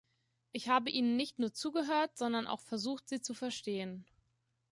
Ich habe ihnen nicht nur zugehört, sondern auch versucht, sie zu verstehen.